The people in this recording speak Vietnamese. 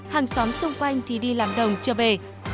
hàng xóm xung quanh thì đi làm đồng chưa về